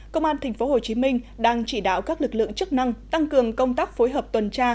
công an tp hcm đang chỉ đạo các lực lượng chức năng tăng cường công tác phối hợp tuần tra